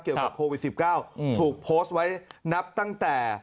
เกี่ยวกับโควิด๑๙ถูกโพสต์ไว้นับตั้งแต่